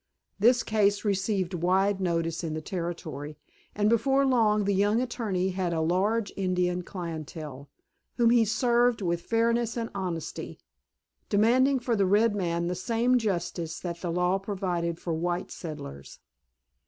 This case received wide notice in the Territory, and before long the young attorney had a large Indian clientage, whom he served with fairness and honesty, demanding for the red men the same justice that the law provided for white settlers.